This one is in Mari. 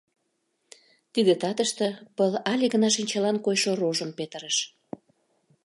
Тиде татыште пыл але гына шинчалан койшо рожым петырыш.